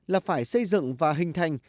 là phải xây dựng và hình thành